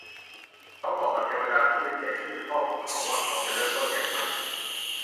เขาบอกกับเทวดาผู้เป็นใหญ่ซึ่งเป็นพ่อของเขาว่า เขาจะเริ่มต้นอย่างไร